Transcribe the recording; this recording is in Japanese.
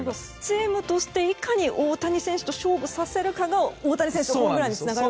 チームとしていかに大谷選手と勝負させるかが大谷選手のホームランにつながると。